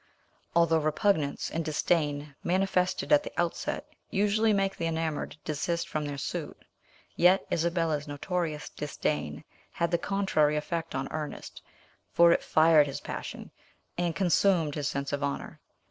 Although repugnance and disdain manifested at the outset usually make the enamoured desist from their suit, yet Isabella's notorious disdain had the contrary effect on Ernest, for it fired his passion, and consumed his sense of honour.